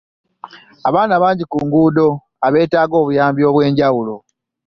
Abaana bangi ku ngudo abetaaga obuyambi obwenjawulo.